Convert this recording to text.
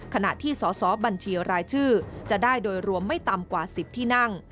ขณะที่สอสอบัญชีรายชื่อจะได้โดยรวมไม่ต่ำกว่า๑๐ที่นั่ง